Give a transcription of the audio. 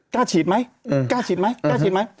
กล้าฉีดไหม